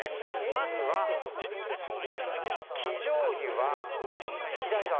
まずは、生じょうゆは左側。